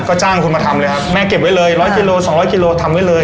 ก็จ้างคุณมาทำเลยครับแม่เก็บไว้เลยร้อยกิโลสองร้อยกิโลทำไว้เลย